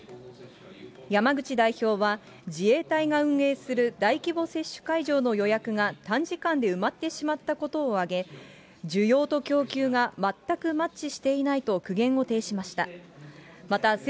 山口代表は、自衛隊が運営する大規模接種会場の予約が短時間で埋まってしまったことを挙げ、需要と供給が全くマッチしていないと苦言を呈しました。